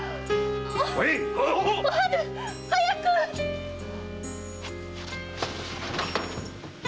〔おはる！早く！〕